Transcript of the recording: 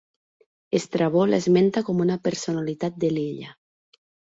Estrabó l'esmenta com una personalitat de l'illa.